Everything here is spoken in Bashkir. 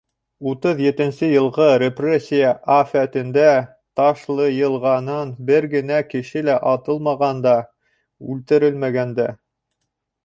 Утыҙ етенсе йылғы репрессия афәтендә Ташлыйылғанан бер генә кеше лә атылмаған да, үлтерелмәгән дә.